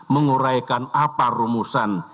menguraikan apa rumusan